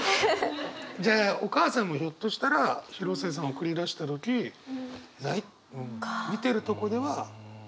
じゃあお母さんもひょっとしたら広末さんを送り出した時見てるとこでは平気を装ってただけかもしれない。